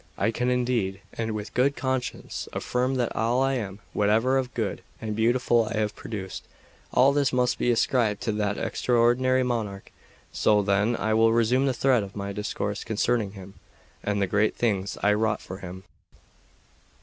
I can indeed, and with good conscience, affirm that all I am, whatever of good and beautiful I have produced, all this must be ascribed to that extraordinary monarch. So, then, I will resume the thread of my discourse concerning him and the great things I wrought for him.